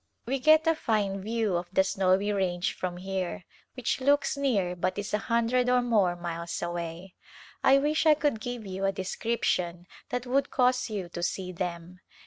We get a fine view of the Snowy Range from here which looks near but is a hundred or more miles away. I wish I could give you a description that would cause you to see them.